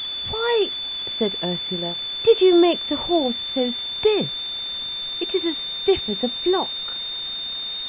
"Why," said Ursula, "did you make the horse so stiff? It is as stiff as a block."